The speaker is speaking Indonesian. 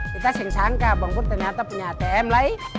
kita sengsangka abang pur ternyata punya atm lah ih